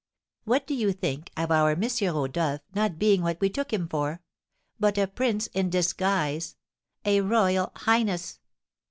What do you think of our M. Rodolph not being what we took him for, but a prince in disguise, a royal highness!"